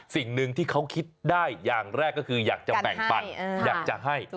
สิ่งหนึ่งที่เขาคิดได้อย่างแรกก็คืออยากจะแบ่งปันอยากจะให้